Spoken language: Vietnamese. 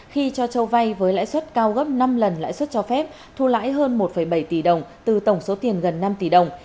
khi cho vay với lãi suất cao gấp năm lần lãi suất cho phép thu lãi hơn một bảy tỷ đồng từ tổng số tiền gần năm tỷ đồng